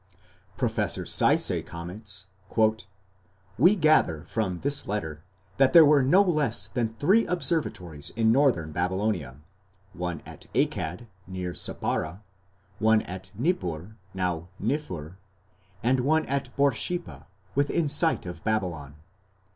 Professor Sayce comments: "We gather from this letter that there were no less than three observatories in Northern Babylonia: one at Akkad, near Sippara; one at Nippur, now Niffer; and one at Borsippa, within sight of Babylon.